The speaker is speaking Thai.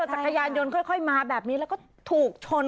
จักรยานยนต์ค่อยมาแบบนี้แล้วก็ถูกชน